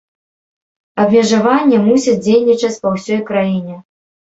Абмежаванне мусіць дзейнічаць па ўсёй краіне.